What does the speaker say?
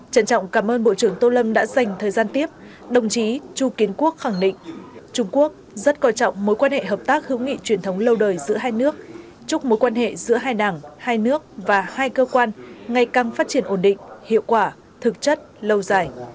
trân trọng cảm ơn bộ trưởng tô lâm đã dành thời gian tiếp đồng chí chu kiến quốc khẳng định trung quốc rất coi trọng mối quan hệ hợp tác hữu nghị truyền thống lâu đời giữa hai nước chúc mối quan hệ giữa hai đảng hai nước và hai cơ quan ngày càng phát triển ổn định hiệu quả thực chất lâu dài